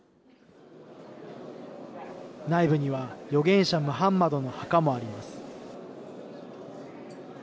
内部には預言者ムハンマドの墓もあります。